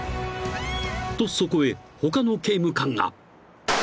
［とそこへ他の刑務官が］